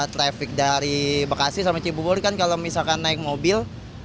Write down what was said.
traffic dari bekasi sampai cibubur kan kalau misalkan naik mobil